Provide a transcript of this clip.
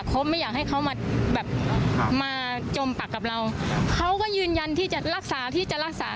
เค้าก็ยืนยันที่จะรักษาที่จะรักษา